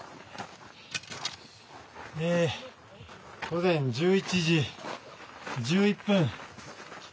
午前１１時１１分。